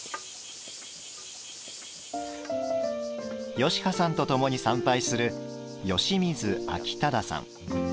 吉羽さんとともに参拝する吉水輝忠さん。